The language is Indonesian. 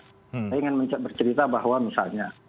saya ingin bercerita bahwa misalnya